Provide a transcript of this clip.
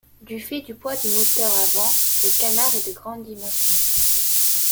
Du fait du poids du moteur avant, le canard est de grandes dimensions.